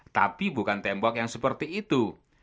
tapi bukan tembok yang seperti itu